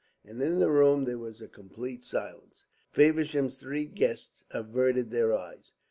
And in the room there was a complete silence. Feversham's three guests averted their eyes.